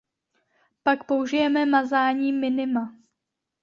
Pak použijeme Mazání minima.